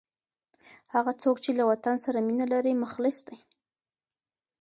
هغه څوک چي له وطن سره مینه لري، مخلص دی.